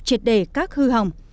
triệt đề các hư hỏng